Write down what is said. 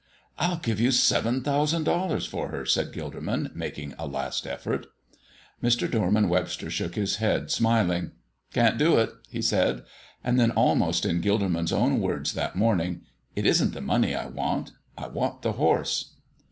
"I'll give you seven thousand dollars for her," said Gilderman, making a last effort. Mr. Dorman Webster shook his head, smiling. "Can't do it," he said. And then, almost in Gilderman's own words that morning: "It isn't the money I want; I want the horse."